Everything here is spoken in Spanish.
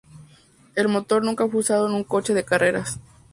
El motor nunca fue usado en un coche de carreras.